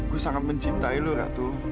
gue sangat mencintai lo ratu